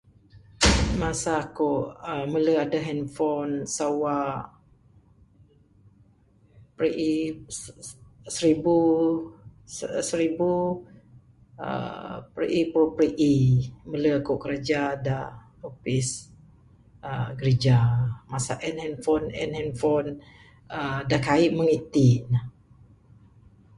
Masa aku mele uhh adeh handphone sawa piri-e, seribu, uhh seribu piri-e puru piri-e mele aku kraja dak upis uhh grija masa en handphone en handphone uhh dak kai meng itin